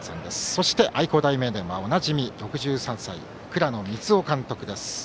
そして愛工大名電はおなじみ６３歳、倉野光生監督です。